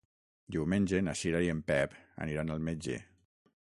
Diumenge na Cira i en Pep aniran al metge.